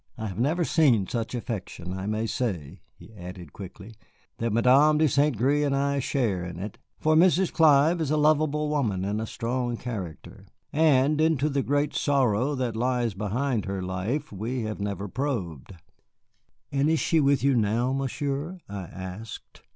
I have never seen such affection. I may say," he added quickly, "that Madame de St. Gré and I share in it, for Mrs. Clive is a lovable woman and a strong character. And into the great sorrow that lies behind her life, we have never probed." "And she is with you now, Monsieur?" I asked.